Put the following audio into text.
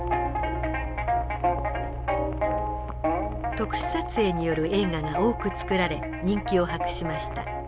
特殊撮影による映画が多く作られ人気を博しました。